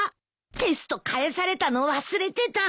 テスト返されたの忘れてた！